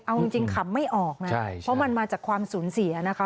เอาจริงขำไม่ออกนะเพราะมันมาจากความสูญเสียนะคะ